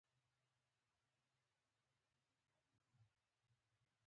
د جنراتور په شان په ماحول کې دود او اواز نه تولېدوي.